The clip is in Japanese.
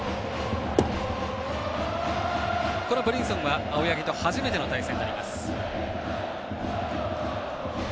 このブリンソンは青柳と初めての対戦。